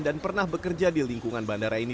dan pernah bekerja di lingkungan bandara ini